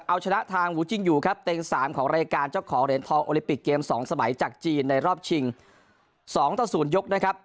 รายการได้ด้วยครับเอาชนะทางหูจิ้งอยู่ครับเตรียม๓ของรายการเจ้าของเหรียญทองโอลิปิกเกมสองสมัยจากจีนในรอบชิง๒ต่อ๐ยกนะครับ